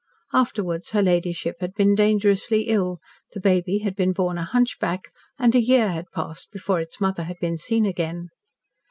Afterwards her ladyship had been dangerously ill, the baby had been born a hunchback, and a year had passed before its mother had been seen again.